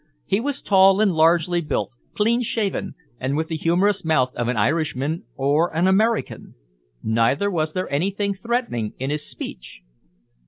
He was tall and largely built, clean shaven, and with the humourous mouth of an Irishman or an American. Neither was there anything threatening in his speech.